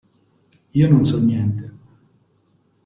Io non so niente.